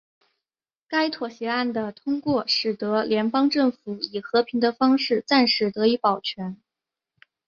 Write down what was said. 该妥协案的通过使得联邦政府以和平的方式暂时得以保全。